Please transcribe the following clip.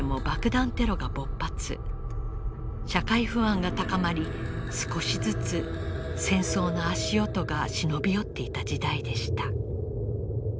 社会不安が高まり少しずつ戦争の足音が忍び寄っていた時代でした。